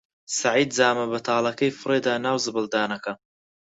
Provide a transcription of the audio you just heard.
سەعید جامە بەتاڵەکەی فڕێ دا ناو زبڵدانەکە.